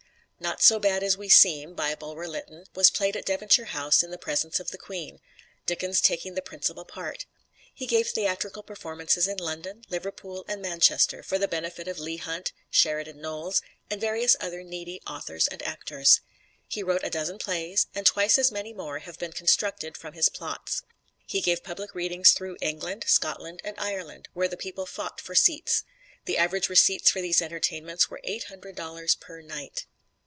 "Not So Bad As We Seem," by Bulwer Lytton, was played at Devonshire House in the presence of the Queen, Dickens taking the principal part. He gave theatrical performances in London, Liverpool and Manchester, for the benefit of Leigh Hunt, Sheridan Knowles and various other needy authors and actors. He wrote a dozen plays, and twice as many more have been constructed from his plots. He gave public readings through England, Scotland and Ireland, where the people fought for seats. The average receipts for these entertainments were eight hundred dollars per night.